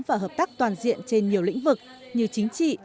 và hợp tác toàn diện trên nhiều lĩnh vực như chính trị